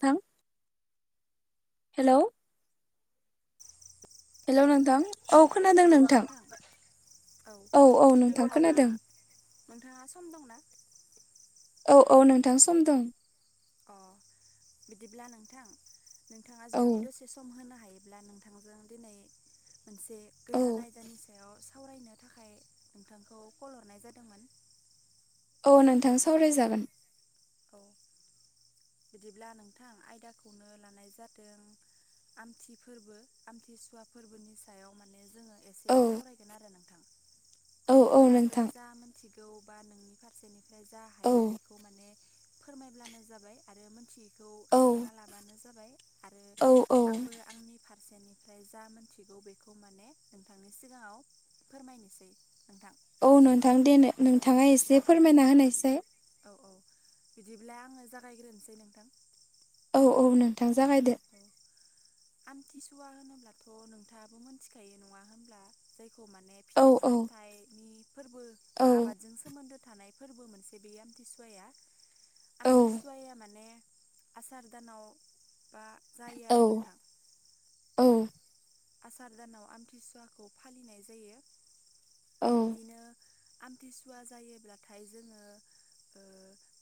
थां hello hello नोंथां औ खोनादों नोंथां औ औ नोंथां नोंथाङा खोनादों नोंथाङा सम दंना? औ औ नोंथां सम दं अ बिदिब्ला नोंथां नोंथाङा औ जुदि दसे सम होनो हा योब्ला नोंथांजों दिनै मोनसे औ गोदान आयदानि सायाव सावरायनो थाखाय नोंथांखौ कल हरनाय जादोंमोन। अ नोंथां सावरायजागोन औ बिदिब्ला नोंथां आयदाखौनो लानाय जादों। आमथि फोरबो आमथिसुवा फोरबोनि सायाव माने जों एसे औ सावरायगोन आरो नोंथां औ औ नोंथाङाबो नोंथां जा मोनथि गौ बा नोंनि फारसेनिफ्राय जा औ हायो बेखौ माने फोरमायब्लानो जाबाय आरो मोनथि बेखौ औ सोंना लाबानो जाबाय आरो औ औ आंबो आंनि फारसेनि ओमफ्राय जा मोनथिगौ बेखौ माने नोंथांनि सिगाङाव फोरमायनोसै नोंथां औ नोंथां दे औ नोंथाङा एसे फोरमायना होनायसै औ औ बिदिब्ला आङो जागायग्रोनोसै नोंथां औ औ नोंथां जागायदो औ आमथिसुवा होनोब्लाथ' नोंथाङाबो मोनथिखायो नङा होनब्ला जाय माने औ फिथाइ औ सामथनि फोरबो औ बा आबादजों सोन्दो। थानाय फोरबो मोनसे बेयो आमथिसुवाया औ आमथिसुवाया माने आसार दानावबा जायो औ आरो नोंथां औ आसार दानाव आमथिसुवाखौ फालिनाय जायो औ बिदिनो आमथिसुवा जायोब्लाथाय जोङो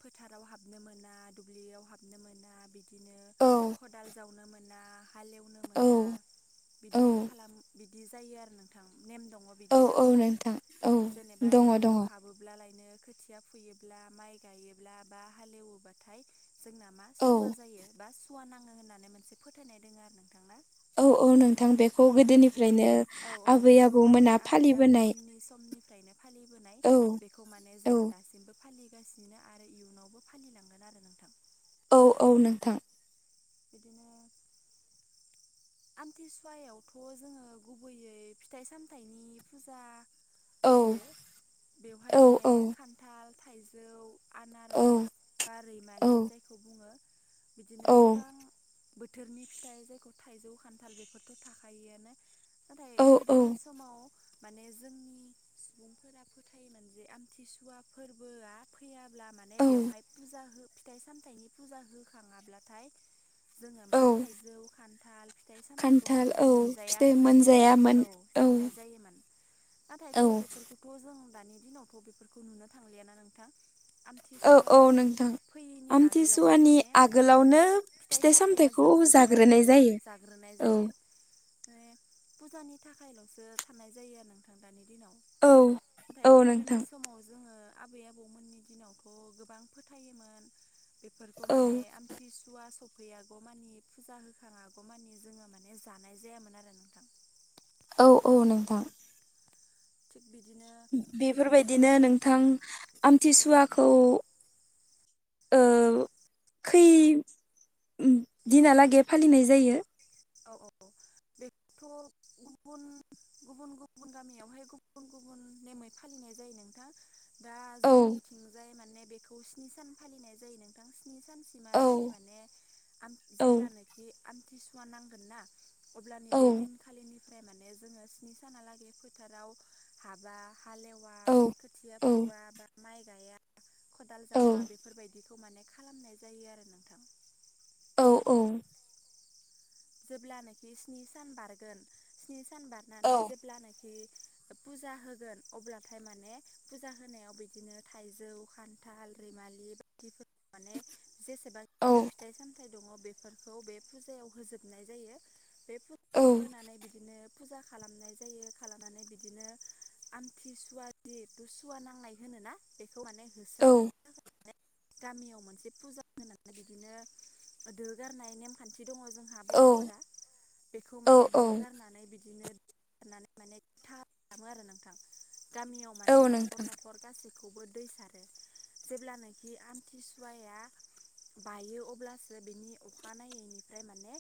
फोथाराव हाबनो मोना दुब्लियाव हाबनो मोना बिदि बिदिनो खदाल जावनो मोना हालेवनो मोना औ औ बिदि खालाम बिदि जायो आरो नोंथां नेम दङ औ बिदिना औ नोंथां औ जेनेबा दङ दङ दुब्लियाव हाबोब्ला लाय बिदिनो खोथिया फुयोब्ला माइ गायोब्ला बा हालेवोबाथाय जोंना मा औ सुवा जायो बा सुवा नाङो होननानै मोनसे फोथायनाय दङ आरो नोंथांना औ औ नोंथां बेखौ गोदोनिफ्रायनो औ औ आबै बेखौ आबौमोना फालिबोनाय नो फालिबोनाय औ बेखौ मान औ जोङ दासिमबो फालिगासिनो आरो इयुनावबो फालिलांगोन आरो नोंथां औ औ नोंथां बिदिनो आमथिसुवायावथ' जोङो गुबैयै फिथाइ सामथाइनि फुजा औ होयो बेवहाय औ माने औ खान्थाल थाइजौ औ आनारस बा औ रैमालि जायखौ बुङो बिदिनो गोबां बोथोरनि फिथाइ जायखौ थाइजौ खान्थाल बेफोरथ' थाखिआनो नाथाय औ गोदोनि समाव माने जोंनि सुबुंफोरा फोथायोमोन जे आमथिसुवा फोरबोआ फैय अब्ला माने औ बेवहाय फुजा हो फिथाइ सामथाइनि फुजा होखाङाब्लाथाय जोङो औ मा थाइजौ खान्थाल फिथाइ सामथखौ खान्थाल माने औ मोनजाया फिथाइ होननानै मोनजायामोन औ साननाय जायोमोन। नाथायथ' औ बेफोरखौथ' जों दानि दिनावथ' बेफोरखौ नुनो थांलियाना नोंथां। औ आमथिसुवा औ नोंथां। फैयैनि आगोलावनो आमथिसुवानि माने आगोलावनो फिथाइ सामथाइया सामथायाइखौ जोबजोबो आरो जाग्रोनाय औ जायो। जाग्रोनाय औ जायो माने फुजानि थाखायल'सो थानाय जायो आरो नोंथां दानि दिनाव औ नाथाय औ नोंथां गोदोनि समाव जोङो। आबै आबौमोननि दिनावथ' गोबां फोथायोमोन। बेफोरखौ औ माने आमथिसुवा सफैयागौ मानि फुजा होखाङागौ मानि जोङो माने जानाय जायामोन आरो नोंथां। औ औ नोंथां। थिक बिदिनो माने बेफोरबायदिनो नोंथां आमथिसुवाखौ औ खै दिनालागै फालिनाय जायो? औ औ औ बेखौथ'। गुबुन गुबुन गुबुन गामियावहाय गुबुन गुबुन नेमै फालिनाय जायो नोंथां। दा औ जोंनिथिंजाय माने बेखौ स्नि सान फालिनाय जायो नोंथां। स्नि सानसिमहालागै औ माने औ जेब्लानोखि आमथिसुवा नांगोन ना अब्लानि औ बे दिनखालिनि ओमफ्राय माने जोङो स्नि सानालागै फोथाराव हाबा। हालेवा औ खोथिया औ फुवा बा माइ गाया खदाल औ जावा बेफोरबायदिखौ माने खालामनाय जायो आरो नोंथां औ औ। जेब्लानाखि स्नि सान बारगोन स्नि सान औ बारनानै जेब्लानाखि फुजा होगोन अब्लाथाय माने फुजा होनायाव बिदिनो थाइजौ खान्थाल रैमालि माने जेसेबांखिनि औ फिथाइ सामथाइ दङ बेफोरखौ बे फुजायाव होजोब फबनाय जायो बे फुजाखौ होनानै बिदिनो फुजा खालामनाय जायो खालामनानै बिदिनो आमथि सुवा जिथ' सुवा नांनाय होनो। ना बेखौ माने होस गामियाव मोनसे फुजा होनानै बिदिनो दो गारनाय नेमखान्थि बो दङ जोंहा औ बर'फोरा बेखौ औ माने औ दो गारनानै बिदिनो नानै माने खालामो आरो नोंथां गामियाव औ माने न'खर नोंथां न'खर गासि खौबो दै सारो जेब्लानाखि आमथिसुवाया बायो अब्लासो बिनि अखानायैनिफ्राय माने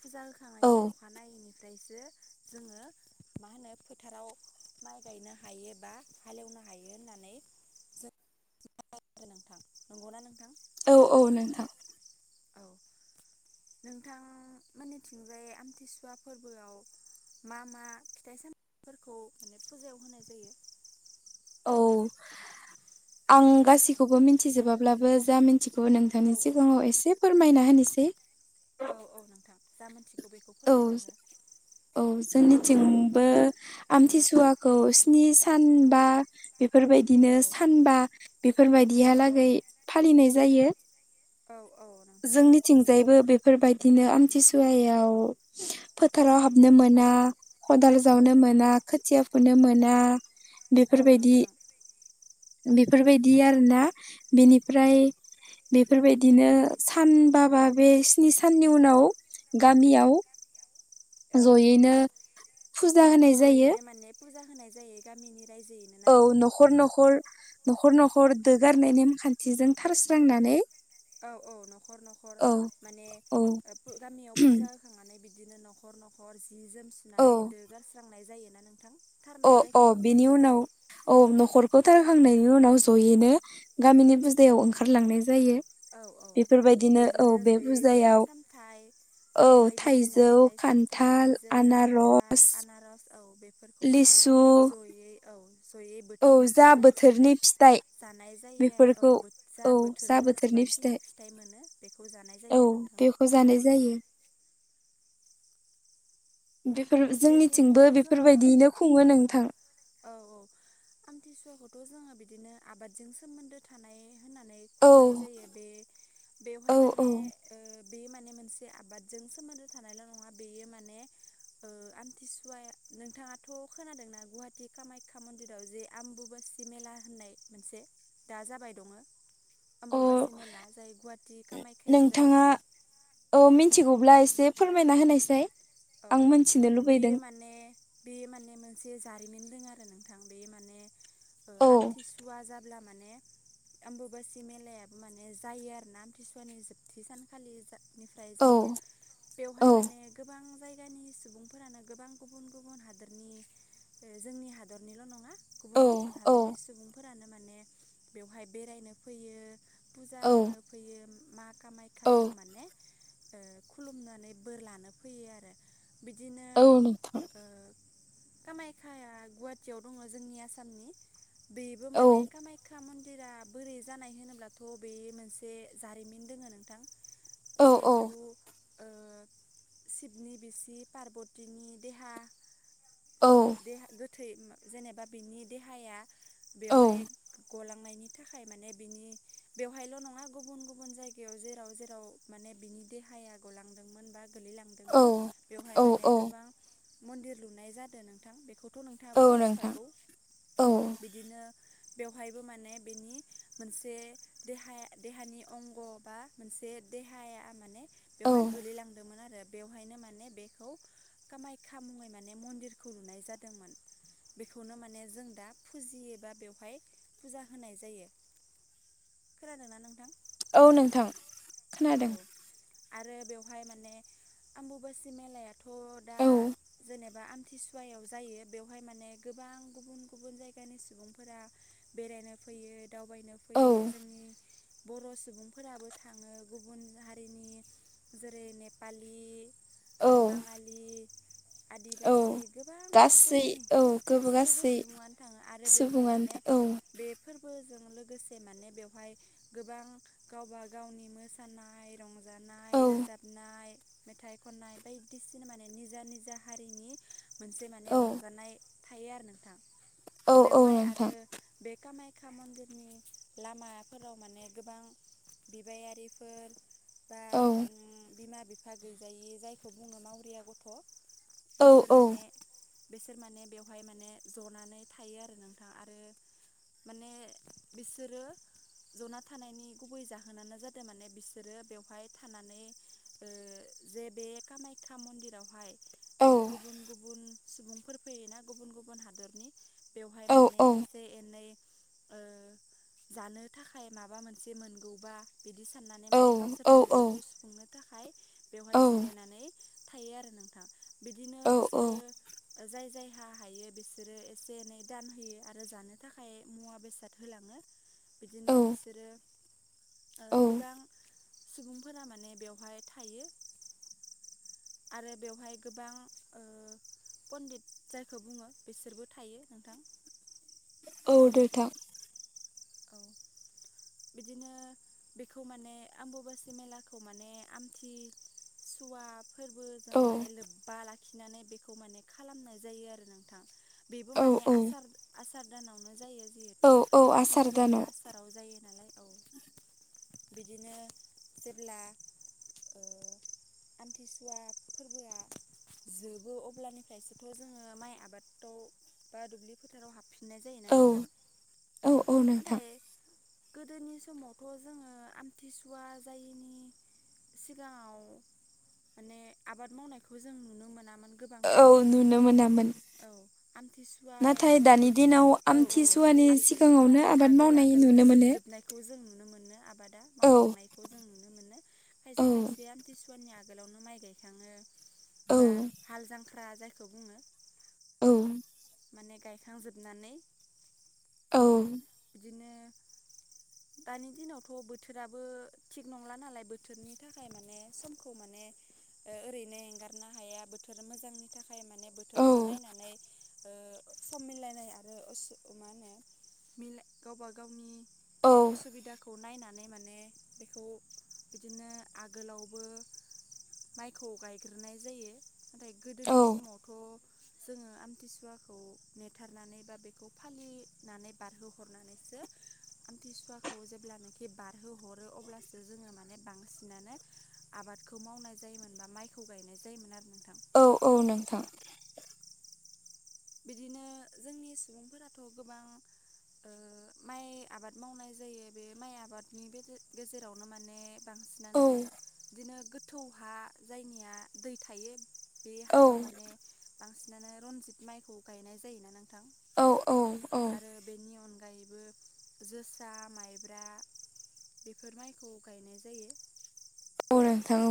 फुजा औ होखांनायनि अखानायैनि। ओमफ्रायसो जोङो मा होनो फोथाराव माइ गायनो हायोबा हालेवनो हायो होननानै जों नोंथां नंगौना नोंथां? औ औ नोंथां औ नोंथां मोनिथिंजाय आमथिसुवा फोरबोआव मा मा फिथाइ सामथाइफोरखौ माने फुजायाव होनाय जायो औ आं गासिखौबो मिथिजोबाब्लाबो जा मि थिगौ औ नोंथांनि औ सिगाङाव एसे फोरमायना होनोसै औ औ नोंथां जा मोनथिगौ बेखौ औ फोरमायना हो औ जोंनिथिंबो आमथिसुवाखौ स्नि सान बा बेफोरबायदिनो औ सानबा औ बेफोरबायदिहालागै फालिनाय जायो। औ औ। नोंथां जोंनिथिंजायबो बेफोरबायदिनो आमथिसुवायाव फोथाराव हाबनोमोन। मोना खदाल औ जावनो औ मोना खोथिया फुनो मोना औ बेफोरबायदि नोंथां बेफोरबायदि आरोना बेनिफ्राय बेफोरबायदिनो सानबाबा बे स्नि साननि उनाव गामियाव औ जयैनो फुजा होनाय जायो। जयैनो माने फुजा होनाय जायो गामिनि रायजोयैनो ना औ न'खर न'खर। न'खर न'खर दोगारनाय नेमखान्थिजों थारस्रांनानै। औ औ न'खर न'खर औ माने औ गामियाव फुजा होखांनानै बिदि बिदिनो न'खर न'खर जि जोम सुनानै औ दोगारस्रांनाय जायोना नोंथां अ थारनाय अ जायखौ बुङो बिनि उनाव औ न'खरखौ थारखांनाय बेनि उनाव जयैनो गामिनि फुजायाव ओंखारलांनाय जायो। औ औ बेफोरबायदिनो औ बिदिनो बे जयै फुजायाव फिथाइ सामथाय औ बायदिसिना थाइजौ फिथाइ साम थाइ खान्थाल थाइजौ आनारस खान्थाल आनारस औ। बेफोरखौ माने लिसु जयै औ जयै औ बोथोरनि जा फुजा हिसाबै बोथोरनि फिथाइ जानाय जायो आरो बेफोरखौ औ जा बोथोराव जेसेबां गोबांखिनि फिथाइ मोनो बेखौ जानाय औ जायो नोंथां। बेखौ जानाय जायो बेफोर बेखौथ' जोंनिथिंबो जोङो बेफोरबायदियैनो खुङो नोंथां। औ आमथिसुवाखौथ' जोङो बिदिनो आबादजों सोमोन्दो थानाय होननानै औ खुंनाय जायो बे औ बेवहाय औ माने बे माने मोनसे आबादजों सोमोन्दो थानायल' नङा बेयो माने आमथिसुवाया नोंथाङाथ' खोनादोंना गुवाहाटि कामाख्या मन्दिराव जे आम्बुुबास मेला होननाय मोनसे दा जाबाय दङ? अ आम्बुुबासि मेला जाय गुवाहाटि कामाय्खायाव जायो। अब्ला एसे फोरमायना होनायसाय? औ आं मोनथिनो बेयो लुबैदों माने बेयो माने मोन मोनसे जारिमिन दङ आरो नोंथां बे माने ओ औ आमथिसुवा जाब्ला माने आम्बुुबासि मेलायाबो माने जायो आरोना आमथिसुवानि जोबथि सानखालि निफ्राय औ जायो बेवहाय माने गोबां जायगानि सुबुंफोरानो गोबां गुबुन गुबुन हादरनि जोंनि हादरनिल' नङा। औ गुबुन गुबुन औ हादरनि सुबुंफोरानो माने बेवहाय बेरायनो फैयो। फुजा औ होनो फैयो मा कामाख्याखौ औ माने ओ खुलुमनानै बोर लानो फैयो आरो बिदि औ नोंथां। कामाख्याआ गुवाहाटियाव दङ जोंनि आसामनि बिबो औ माने कामाख्या मन दिरा बोरै जानाय होनोब्लाथ' बे मोनसे जारिमिन दोङो नोंथां। औ औ जिहेथु ओ सिबनि बिसि पार्तिनि देहा औ देहा थै जेनेबा बिनि देहाया बेवहाय गलांनायनि थाखाय माने बिनि बेवहायल' नङा गुबुन गुबुन जायगायाव जेराव जेराव माने बिनि देहाया गलांदोंमोन बा गोलै औ बेवहाय माने औ गोबां मन्दिर लुनाय जादों नोंथां बेखौ थ' नोंथाङाबो औ नोंथां मिथिखागौ औ बिदिनो बेवहायबो माने बेनि मोनसे देहाया देहानि अंग बा मोनसे बे देहाया माने औ बेवहाय गोलैलांदोंमोन आरो बेवहायनो मा माने बेखौ कामाख्या मुङै माने मन्दिरखौ लुनाय जादोंमोन। बेखौनो माने जों दा फुजियो एबा बेवहाय फुजा होनाय जायो। खोनादोंना नोंथां? औ नोंथां खोनादों। औ आरो बेवहाय माने आम्बुबासि मेलायाथ' दा औ जेनेबा आमथिसुवायाव जायो बेवहाय माने गोबां गोबां गुबुन गुबुन जायगानि सुबुंफोरा बेरायनो फैयो। दावबायनो औ फैयो जोंनि बर' सुबुंफोराबो थाङो। गुबुन हारिनि जेरै नेपालि औ ओ बाङालि औ आदिबासि गोबां गासै रोखोमनि औ गोबो गासैबो गासै सुबुङानो थाङो आरो बेवहाय माने सुबुङानो औ बेफोरबो जों लोगोसे माने बेहाय गोबां गावबा गावनि मोसानाय रं जानाय औ रोजाबनाय मेथाइ खननाय बायदिसिना माने निजा निजा हारिनि मोनसे माने औ रंजानाय थायो आरो नोंथां औ औ बेवहाय आरो नोंथां बे कामाय [unintelligible] लामाफोराव माने गोबां बिबायारिफोर बा औ उम बिमा बिफा गैजायि जायखौ बुङो मावरिया गथ'। औ बिसोर औ माने बेसोर माने बेवहाय माने जनानै थायो आरो नोंथां आरो माने बिसोरो जना थानायनि गुबै जाहोनानो जादों माने बिसोरो बेवहाय थानानै ओ जे बे कामाख्या मन्दिरावहाय औ गुबुन गुबुन सुबुंफोर फैयोना गुबुन गुबुन हादरनि बेवहाय औ माने औ एसे एनै ओ जानो थाखाय माबा मोनसे मोनगौबा बिदि सान माने माने औ औ गावसोरनि उदैखौ सुफुंनो थाखाय बेवहाय जिरायनानै। थायो आरो नोंथां बिदिनो औ बिसोरो जाय जाय हा हायो बिसोरो एसे एनै दान होयो आरो जानो थाखाय मुवा बेसाद होलाङो। बिदिनो औ बिसोरो ओ गोबां सुबुंफोरा माने बेवहाय थायो। आरो बेवहाय गोबां पणडित जायखौ बुङो बिसोरबो थायो नोंथां।। औ दैथा औ बिदिनो बेखौ माने आम्बबासि मेलाखौ माने आमथि। सुवा फोरबो जों औ माने लोब्बा लाखिनानै बेखौ माने खालामनाय जायो आरो नोंथां‌। बेबो औ माने औ आसार आसार दानावनो जायो औ जिहेथु औ आसार आमथिसुवाया दानाव आसाराव जायो। [unintelligible] नालाय औ बिदिनो जेब्ला आमथिसुवा फोरबोआ जोबो अब्लानिफ्रायसोथ जोङो माइ आबादाव बा दुब्लि फोथाराव हाबफिन मोननाय जायोना औ नोंथां औ औ नोंथां नाथाय। गोदोनि समावथ जोङो आमथिसुवा जायैनि सिगाङाव माने आबाद मावनायखौ जों नुनो मोना औ नुनो मोनामोन। औ आमथिसुवाया नाथाय दानि जेठ दिनाव औ औ आमथिसुवानि सिगाङावनो आमथिसुवानि आबाद आगोल मावनाय आगोल नुनो मोनो जोबजोबनाय खौ जों नुनो मोनो आबादा औ मावखांनायखौ जों नुनो मोनो औ खायसे खायसे आमथि सुवानि आगोलावनो माइ गायखाङो औ बा हाल जांख्रा जायखौ बुङो औ माने गायखांजोबनानै औ बिदिनो दानि दिनावथ बोथोराबो थिग नंला नालाय बोथोरनि थाखाय माने समखौ माने ओरैनो एंगारनो हाया बोथोर मोजांनि थाखाय माने बोथोरखौ औ नायनानै ओ सम मिलायनाय आरो असु ओ मा होनो? गावबा गावनि औ असुबिदाखौ नायनानै माने बेखौ बिदिनो आगोलावबो माइखौ गायग्रोनाय जायो नाथाय औ गोदोनि समावथ जोङो आमथिसुवाखौ नेथारनानै बा बेखौ फालिनानै बारहोहर हरनानै आमथिसुवाखौ जेब्लानोखि बारहोहरो अब्लासो जोङो माने बांसिनानो आबादखौ मावनाय जायोमोन बा माइखौ गायनाय जायोमोन आरो नोंथां औ औ नोंथां बिदिनो जोंनि सुबुंफोराथ गोबां माइ आबाद मावनाय जायो बे माइ आबादनि गेजेरावनो माने औ बांसिनानो बिदिनो गोथौ हा जायनिया दै थायो। बे औ हायाव माने बांसिनानो रनजित माइखौ गायनाय जायोना नों? थां औ औ औ आरो बेनि अनग गायैबो जोसा माइब्रा बेफोर माइखौ गायनाय जायो। औ नोंथां औ